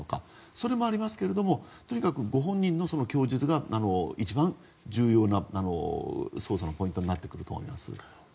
それもありますけれどもとにかくご本人の供述が一番重要な捜査のポイントになってくると思います。